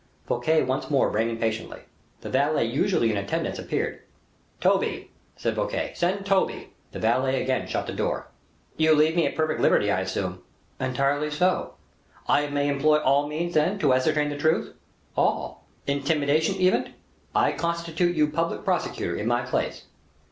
Fouquet once more rang impatiently. The valet usually in attendance appeared. "Toby!" said Fouquet, "send Toby." The valet again shut the door. "You leave me at perfect liberty, I suppose?" "Entirely so." "I may employ all means, then, to ascertain the truth." "All." "Intimidation, even?" "I constitute you public prosecutor in my place."